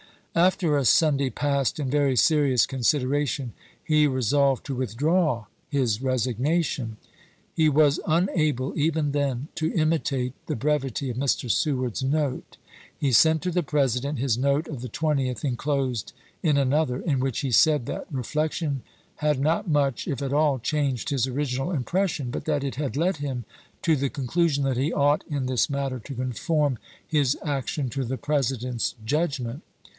After a Sunday passed in very serious considera tion, he resolved to withdraw his resignation. He was unable, even then, to imitate the brevity of Mr. Seward's note. He sent to the President his note of the 20th inclosed in another, in which he said that reflection had not much, if at all, changed his original impression, but that it had led him to the conclu sion that he ought in this matter to conform his action to the President's judgment.